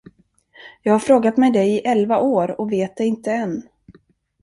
Jag har frågat mig det i elva år och vet det inte än.